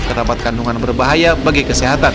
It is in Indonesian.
terdapat kandungan berbahaya bagi kesehatan